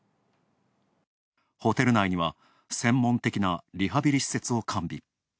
ホテル内には、専門的なリハビリ施設を完備。